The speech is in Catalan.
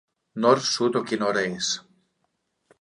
Nord, sud o quina hora és?